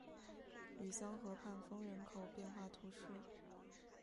吕桑河畔丰人口变化图示